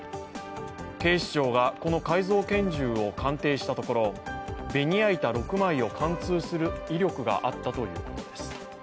警視庁がこの改造拳銃を鑑定したところベニヤ板６枚を貫通する威力があったということです。